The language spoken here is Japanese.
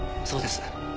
そうです。